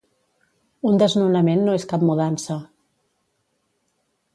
Un desnonament no és cap mudança